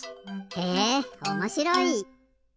へえおもしろい！